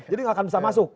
jadi gak akan bisa masuk